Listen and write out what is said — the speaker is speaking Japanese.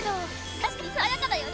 確かにさわやかだよね！